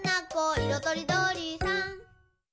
いろとりどりさん」